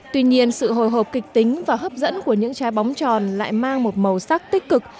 tuy nhiên sự hồi hộp kịch tính và hấp dẫn của những trái bóng tròn lại mang một màu sắc tích cực